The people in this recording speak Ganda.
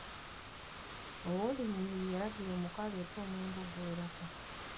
Owoolunyiriri yalagira omuko aleete omwenge oguwerako.